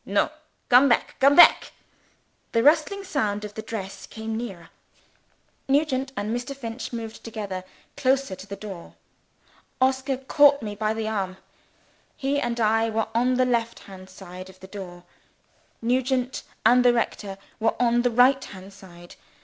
"No! Come back! come back!" The rustling sound of the dress came nearer. Nugent and Mr. Finch moved together closer to the door. Oscar caught me by the arm. He and I were on the left hand side of the door: Nugent and the rector were on the right hand side.